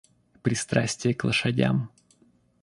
Пристрастие к лошадям.